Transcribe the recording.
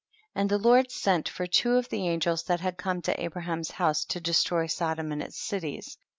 45. And the Lord sent for two of the angels that had come to Abra ham's house, to destroy Sodom and its cities.